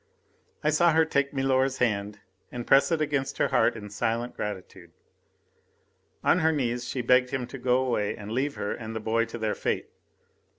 I saw her take milor's hand and press it against her heart in silent gratitude. On her knees she begged him to go away and leave her and the boy to their fate.